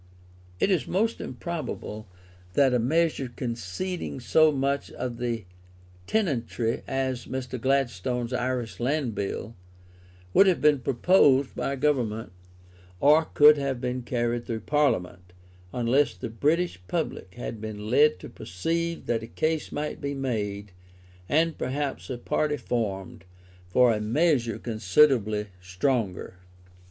It is most improbable that a measure conceding so much to the tenantry as Mr. Gladstone's Irish Land Bill, would have been proposed by a Government, or could have been carried through Parliament, unless the British public had been led to perceive that a case might be made, and perhaps a party formed, for a measure considerably stronger.